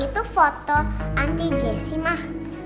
itu foto anti jessi mah